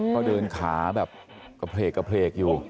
ก็เดินขากระเพรกอยู่